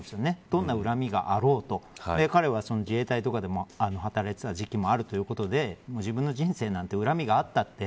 どんな恨みがあろうと彼は、自衛隊とかで働いていた時期もあるということで自分の人生なんて恨みがあったって